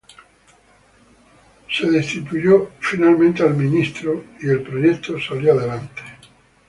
El ministro fue finalmente destituido y el proyecto salió adelante.